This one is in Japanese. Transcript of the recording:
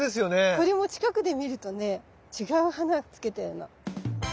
これも近くで見るとね違う花つけてるの。